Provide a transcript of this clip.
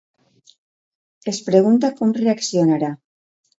Es pregunta com reaccionarà.